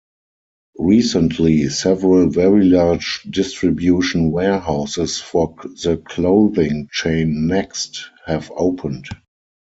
Recently several very large distribution warehouses for the clothing chain Next have opened.